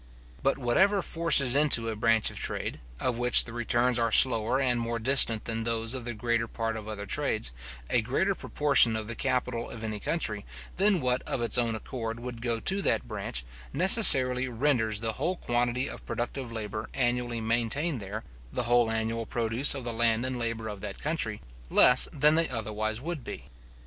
But whatever forces into a branch of trade, of which the returns are slower and more distant than those of the greater part of other trades, a greater proportion of the capital of any country, than what of its own accord would go to that branch, necessarily renders the whole quantity of productive labour annually maintained there, the whole annual produce of the land and labour of that country, less than they otherwise would be.